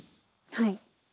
はい。